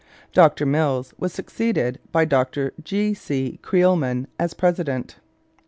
Dr Mills was succeeded by Dr G. C. Creelman as president.